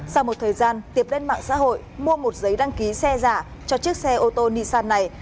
sau một thời gian tiệp lên mạng xã hội mua một giấy đăng ký xe giả cho chiếc xe ô tô nissan này